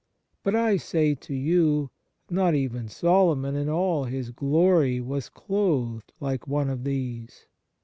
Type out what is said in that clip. But I say to you, not even Solomon in all his glory was clothed like one of these.